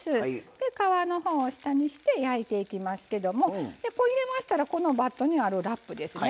で皮のほうを下にして焼いていきますけどもこう入れましたらこのバットにあるラップですね。